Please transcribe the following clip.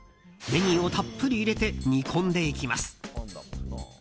ネギをたっぷり入れて煮込んでいきます。